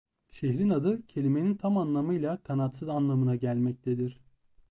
Şehrin adı kelimenin tam anlamıyla "kanatsız" anlamına gelmektedir.